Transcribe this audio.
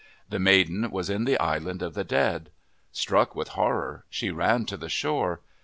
The maiden was in the island of the dead. Struck with horror, she ran to the shore.